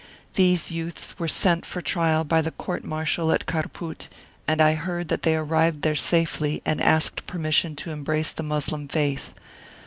These youths were sent for trial by the court martial at Kharpout, and I heard that they arrived there safely and asked per mission to embrace the Moslem faith.